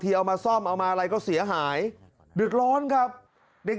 ทาระสาธารณ์